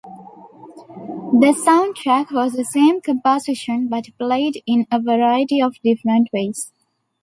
The soundtrack was the same composition, but played in a variety of different ways.